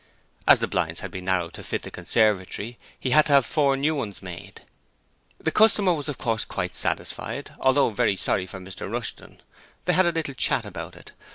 As the blinds had been narrowed to fit the conservatory he had to have four new ones made. The customer was of course quite satisfied, although very sorry for Mr Rushton. They had a little chat about it.